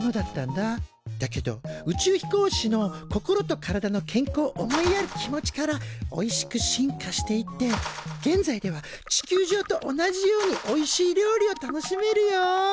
だけど宇宙飛行士の心と体の健康を思いやる気持ちからおいしく進化していって現在では地球上と同じようにおいしい料理を楽しめるよ。